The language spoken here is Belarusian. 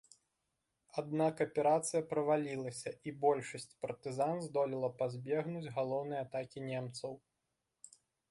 Аднак аперацыя правалілася і большасць партызан здолела пазбегнуць галоўнай атакі немцаў.